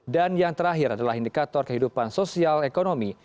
dan yang terakhir adalah indikator kehidupan sosial ekonomi